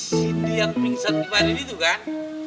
sindi yang pingsan kemarin itu kan